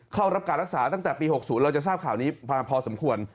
เข้ารับการรักษาตั้งแต่ปี๖๐เราจะทราบข่าวนี้มาพอสมควร